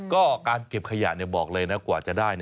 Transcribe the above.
ก็การเก็บขยะบอกเลยนะกว่าจะได้